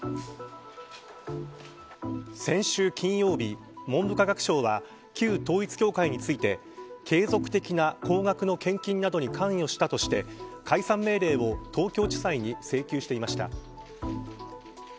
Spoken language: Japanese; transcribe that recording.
先週金曜日、文部科学省は旧統一教会について継続的な高額献金などに関与したとして解散命令を東京地裁に請求していました。